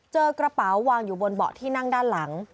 เจอกระเป๋าวางอยู่บนเบาะที่นั่งด้านหลัง